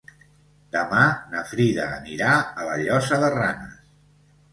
Demà na Frida anirà a la Llosa de Ranes.